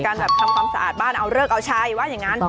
แบบทำความสะอาดบ้านเอาเลิกเอาชัยว่าอย่างนั้น